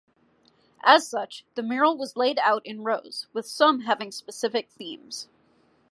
As such, the mural was laid out in rows, with some having specific themes.